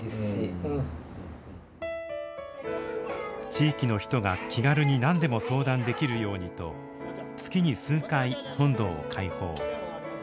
地域の人が気軽に何でも相談できるようにと月に数回本堂を開放。